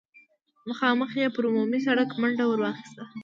مخامخ يې پر عمومي سړک منډه ور واخيسته.